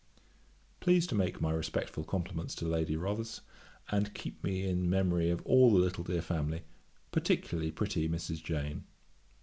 'Please to make my respectful compliments to Lady Rothes, and keep me in the memory of all the little dear family, particularly pretty Mrs. Jane.